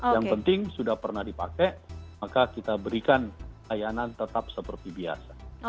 yang penting sudah pernah dipakai maka kita berikan layanan tetap seperti biasa